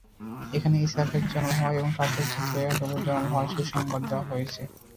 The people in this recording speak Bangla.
এখানে ইসহাকের জন্ম হওয়ার এবং তার থেকে পুত্র ইয়াকূবের জন্ম হওয়ার সুসংবাদ দেয়া হয়েছে।